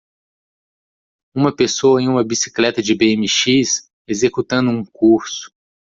Uma pessoa em uma bicicleta de bmx? executando um curso.